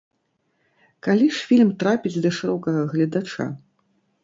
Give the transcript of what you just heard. Калі ж фільм трапіць да шырокага гледача?